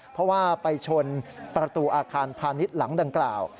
เพราะว่าไปชนประตูอาคารพาณิชย์หลังดังกล่าว